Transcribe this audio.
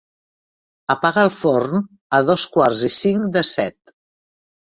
Apaga el forn a dos quarts i cinc de set.